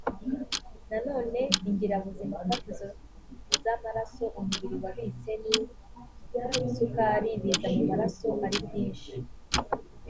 nanone ingirabuzimafatizo z amaraso umubiri wabitse n isukari biza mu maraso ari byinshi